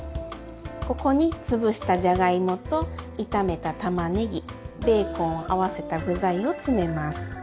ここにつぶしたじゃがいもと炒めたたまねぎベーコンを合わせた具材を詰めます。